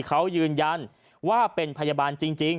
เขายืนยันว่าเป็นพยาบาลจริง